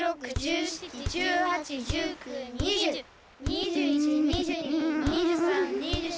２１２２２３２４。